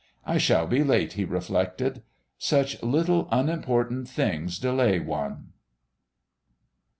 "I shall be late," he reflected. "Such little, unimportant things delay one...!"